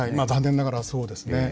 残念ながらそうですね。